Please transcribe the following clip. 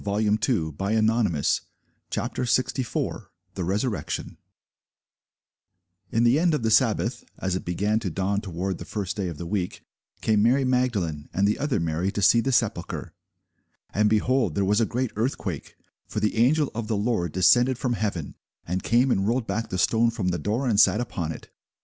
CHAPTER 64 THE RESURRECTION [Sidenote: St. Matthew 28] IN the end of the sabbath, as it began to dawn toward the first day of the week, came Mary Magdalene and the other Mary to see the sepulchre. And, behold, there was a great earthquake: for the angel of the Lord descended from heaven, and came and rolled back the stone from the door, and sat upon it.